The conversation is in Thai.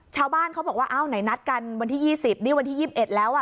ชาวบ้านเขาบอกว่าอ้าวไหนนัดกันวันที่๒๐นี่วันที่๒๑แล้วอ่ะ